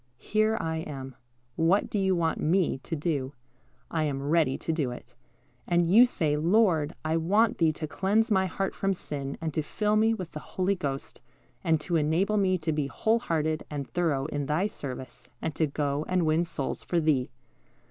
Here I am. What do you want Me to do? I am ready to do it." And you say, "Lord, I want Thee to cleanse my heart from sin, and to fill me with the Holy Ghost, and to enable me to be whole hearted and thorough in Thy service, and to go and win souls for Thee."